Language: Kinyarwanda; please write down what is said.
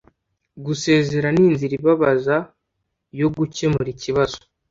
gusezera ni inzira ibabaza yo gukemura ikibazo